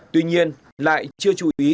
tuy nhiên lại chưa chú ý